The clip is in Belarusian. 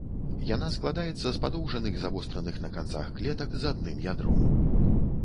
Яна складаецца з падоўжаных, завостраных на канцах клетак з адным ядром.